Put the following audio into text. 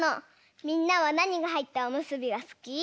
みんなはなにがはいったおむすびがすき？